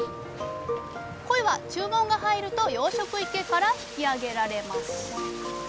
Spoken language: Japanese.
コイは注文が入ると養殖池から引き上げられます。